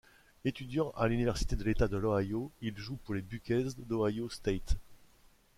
Étudiant à l'Université de l'État de l'Ohio, il joue pour les Buckeyes d'Ohio State.